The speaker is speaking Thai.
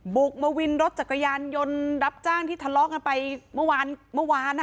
บุกมาวินรถจักรยานยนต์รับจ้างที่ทะเลาะกันไปเมื่อวานเมื่อวาน